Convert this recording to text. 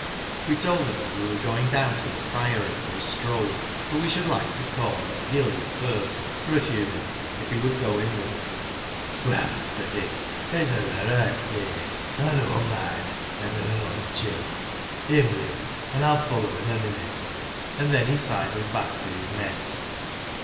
We told him that we were going down to the Priory, for a stroll; but we should like to call at "Gilly's" first, for a few minutes, if he would go in with us. u Well," said he; " it's a verra het day. An' I don't mind hevin' an odd gill. In wi' ye, — an' I'll follow,— in a minute," and then he sidled back to his nest.